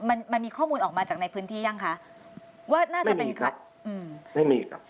มันมันมีข้อมูลออกมาจากในพื้นที่ยังคะว่าน่าจะเป็นใครอืมไม่มีครับ